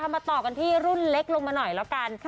มาต่อกันที่รุ่นเล็กลงมาหน่อยแล้วกัน